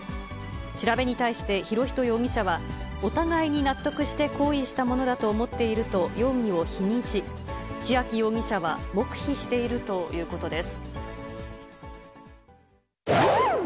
調べに対して、博仁容疑者は、お互いに納得して行為したものだと思っていると容疑を否認し、千秋容疑者は黙秘しているということです。